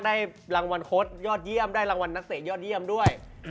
ได้รางวัลโค้ดยอดเยี่ยมได้รางวัลนักเตะยอดเยี่ยมด้วย